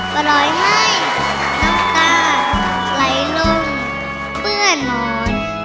วรอยไห้น้ำตาไหลลงเพื่อนห่อน